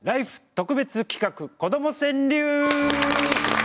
特別企画「子ども川柳」。